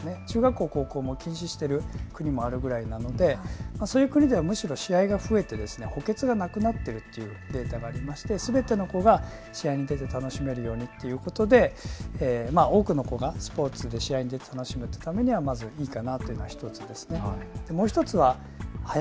中学、高校も禁止している国もあるぐらいなのでそういう国ではむしろ被害が増えて補欠がなくなっているというデータがありましてすべての子が試合を楽しめるようにということで多くの子がスポーツ、試合を楽しむためにはいいかなというのが１つです。